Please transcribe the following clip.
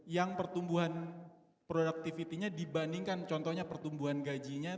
yang pertumbuhan productivity nya dibandingkan contohnya pertumbuhan gajinya